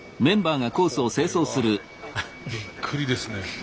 これはびっくりですね。